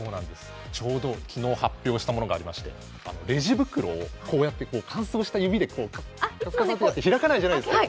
ちょうど昨日発表したものがありまして、レジ袋を乾燥した指で、カサカサと開かないじゃないですか。